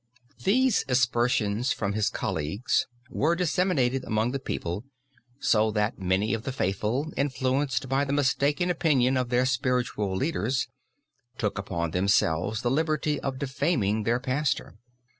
These aspersions from his colleagues were disseminated among the people, so that many of the faithful, influenced by the mistaken opinion of their spiritual leaders, took upon themselves the liberty of defaming their pastor.